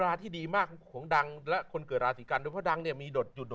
เวลาที่ดีมากของดังและคนเกิดราศิกัณฑ์ดังเนี่ยมีโดดโดด